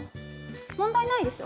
問題ないでしょ？